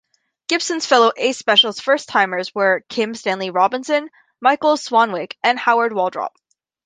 Gibson's fellow Ace Specials first-timers were Kim Stanley Robinson, Michael Swanwick, and Howard Waldrop.